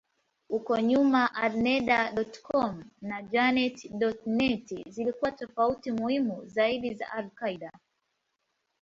Huko nyuma, Alneda.com na Jehad.net zilikuwa tovuti muhimu zaidi za al-Qaeda.